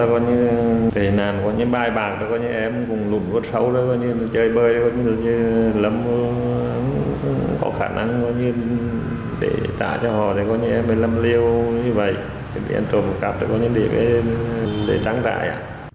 không có khả năng để trả cho họ một mươi năm liêu như vậy bị trộm cắp để trắng rãi